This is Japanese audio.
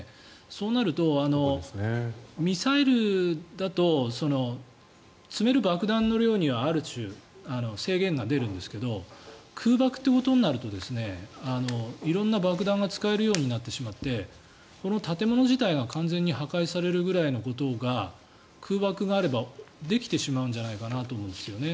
そうなると、ミサイルだと積める爆弾の量にはある種、制限が出るんですけど空爆ということになると色んな爆弾が使えるようになってしまって建物自体が完全に破壊されるぐらいのことが空爆があればできてしまうんじゃないかなと思うんですよね。